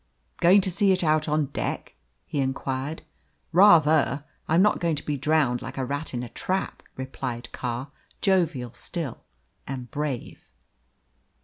"Going to see it out on deck?" he inquired. "Rather. I'm not going to be drowned like a rat in a trap!" replied Carr, jovial still, and brave.